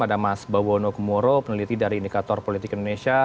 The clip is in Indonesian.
ada mas bawono kumoro peneliti dari indikator politik indonesia